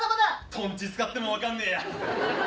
とんち使っても分かんねえや。